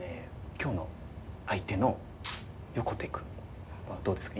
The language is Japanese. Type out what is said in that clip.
今日の相手の横手くんはどうですか？